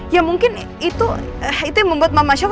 ya mungkin itu yang membuat mama show